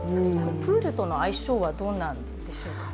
プールとの相性はどうなんでしょうか。